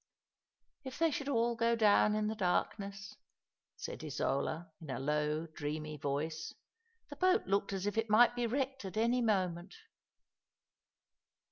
'* If they should all go down in the darkness! " said Isola, in a low, dreamy voice. " The boat looked as if it might be wrecked at any moment."